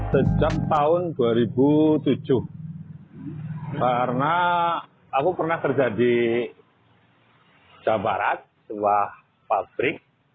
sejak tahun dua ribu tujuh karena aku pernah kerja di jawa barat sebuah pabrik